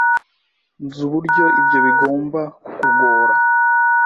Nzi uburyo ibyo bigomba kukugora.